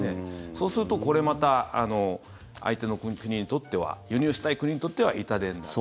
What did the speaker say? そうするとこれまた相手の国にとっては輸入したい国にとっては痛手になる。